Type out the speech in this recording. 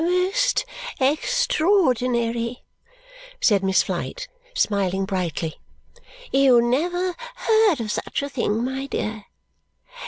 "Most extraordinary!" said Miss Flite, smiling brightly. "You never heard of such a thing, my dear!